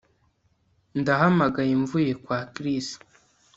Ndahamagaye mvuye kwa Chris